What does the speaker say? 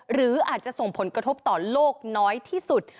หรืออาจจะส่งผลกระทบต่อโลกน้อยที่สุด